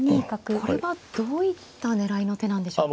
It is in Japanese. これはどういった狙いの手なんでしょうか。